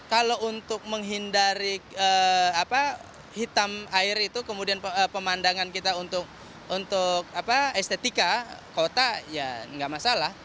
kalau untuk menghindari hitam air itu kemudian pemandangan kita untuk estetika kota ya nggak masalah